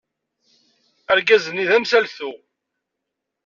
Argaz-nni d amsaltu.